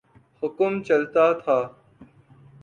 حکم چلتا تھا۔